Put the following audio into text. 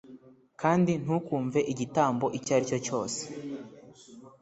Kandi ntukumve igitambo icyo ari cyo cyose